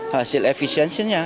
hasil efisiennya harus diperkuat